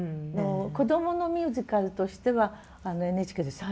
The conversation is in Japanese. こどものミュージカルとしてはＮＨＫで最初にね